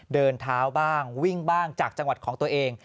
เดินเท้าบ้างวิ่งบ้างจากจังหวัดของตัวเอง